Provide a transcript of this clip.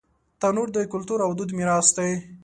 تنور د کلتور او دود میراث دی